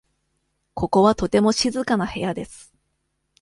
ここはとても静かな部屋です。